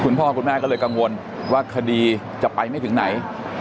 คุณพ่อคุณแม่ก็เลยกังวลว่าคดีจะไปไม่ถึงไหน